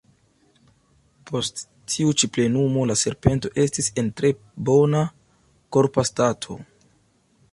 Post tiu ĉi plenumo la serpento estis en tre bona korpa stato.